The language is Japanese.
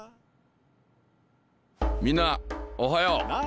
みんなおはよう。